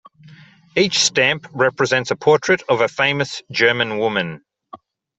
Each stamp represents a portrait of a famous German woman.